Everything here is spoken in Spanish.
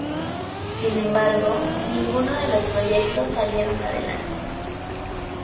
Sin embargo, ninguno de los proyectos salieron adelante.